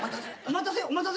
「お待たせ」